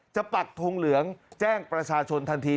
ปักทงเหลืองแจ้งประชาชนทันที